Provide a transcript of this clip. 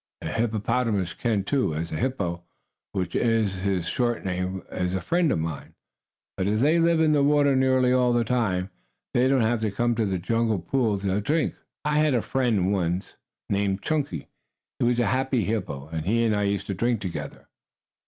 A hippopotamus can, too, as a hippo, which is his short name, is a friend of mine. But, as they live in the water nearly all the time, they don't have to come to a jungle pool to drink. I had a friend once, named Chunky. He was a happy hippo, and he and I used to drink together."